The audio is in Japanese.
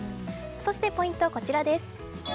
そして、ポイントはこちらです。